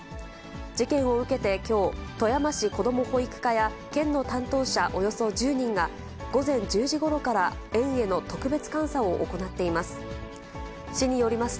事件を受けてきょう、富山市子ども保育課や、県の担当者およそ１０人が、午前１０時ごろから園への特別監査を行っています。